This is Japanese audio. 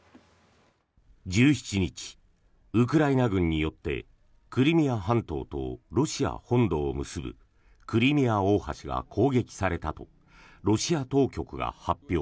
１７日、ウクライナ軍によってクリミア半島とロシア本土を結ぶクリミア大橋が攻撃されたとロシア当局が発表。